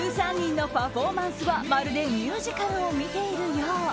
１３人のパフォーマンスはまるでミュージカルを見ているよう。